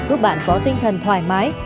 giúp bạn có tinh thần thoải mái